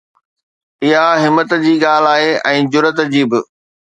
اها همت جي ڳالهه آهي ۽ جرئت جي به.